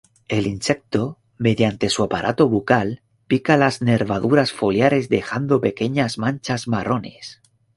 El insecto, mediante su aparato bucal pica las nervaduras foliares dejando pequeñas manchas marrones.